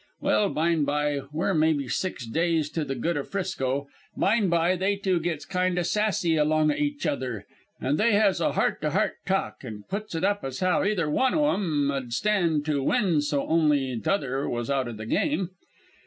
"But byne by we're mebbee six days to the good o' 'Frisco byne by they two gits kind o' sassy along o' each t'other, an' they has a heart to heart talk and puts it up as how either one o' 'em 'ud stand to win so only the t'other was out o' the game.